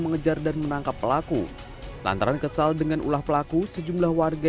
mengejar dan menangkap pelaku lantaran kesal dengan ulah pelaku sejumlah warga